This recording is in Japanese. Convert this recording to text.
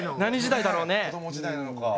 子ども時代なのか。